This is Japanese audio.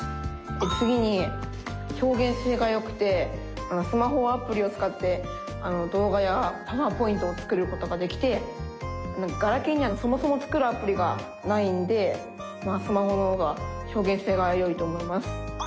次に表現性がよくてスマホはアプリをつかって動画やパワーポイントを作ることができてガラケーにはそもそも作るアプリがないんでまあスマホのほうが表現性がよいと思います。